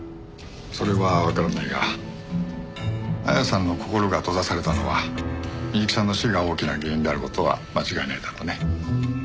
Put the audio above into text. それはわからないが亜矢さんの心が閉ざされたのは美雪さんの死が大きな原因である事は間違いないだろうね。